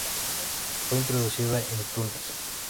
Fue introducida en Túnez.